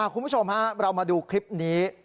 คุณผู้ชมเรามาดูคลิปนี้